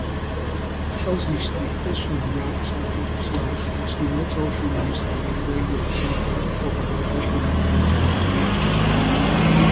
Els districtes són llacs artificials destinats al subministrament d'aigua potable o per a altres finalitats industrials.